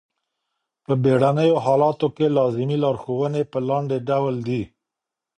په بېړنیو حالاتو کي لازمي لارښووني په لاندي ډول دي.